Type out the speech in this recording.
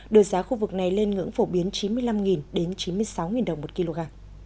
đưa giá khu vực này lên ngưỡng phổ biến chín mươi năm đến chín mươi sáu đồng một kg